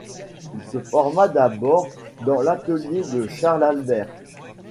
Il se forma d'abord dans l'atelier de Charle-Albert.